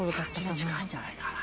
３０年近いんじゃないかな。